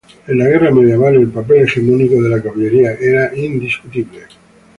En la guerra medieval, el papel hegemónico de la caballería era indiscutible.